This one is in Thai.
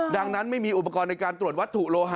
ดังนั้นไม่มีอุปกรณ์ในการตรวจวัตถุโลหะ